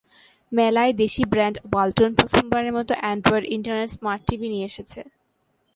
মেলায় দেশি brand Walton প্রথমবারের মতো অ্যান্ড্রয়েড ইন্টারনেট স্মার্ট টিভি নিয়ে এসেছে।